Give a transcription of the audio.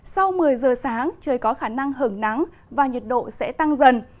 sau một mươi giờ sáng trời có khả năng hưởng nắng và nhiệt độ sẽ tăng dần